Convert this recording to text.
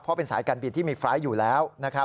เพราะเป็นสายการบินที่มีไฟล์ทอยู่แล้วนะครับ